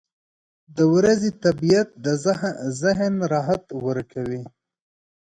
• د ورځې طبیعت د ذهن راحت ورکوي.